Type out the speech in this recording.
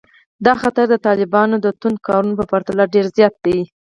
دا خطر د طالبانو د توندو کارونو په پرتله ډېر زیات دی